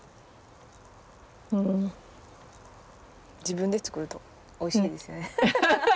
自分で作るとおいしいですよね。